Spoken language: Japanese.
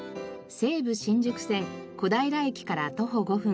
西武新宿線小平駅から徒歩５分。